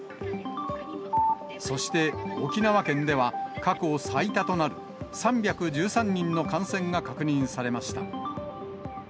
そして、沖縄県では、過去最多となる３１３人の感染が確認されました。